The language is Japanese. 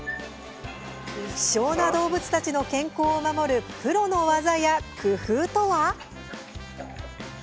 希少な動物たちの健康を守るプロの技や工夫とは？